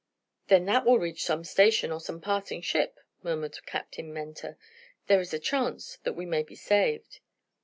"Then that will reach some station, or some passing ship," murmured Captain Mentor. "There is a chance that we may be saved."